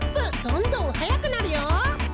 どんどんはやくなるよ！